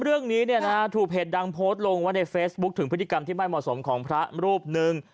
เรื่องนี้เนี่ยนะฮะถูกเพจดังโพสต์ลงไว้ในเฟซบุ๊คถึงพฤติกรรมที่ไม่เหมาะสมของพระรูปหนึ่ง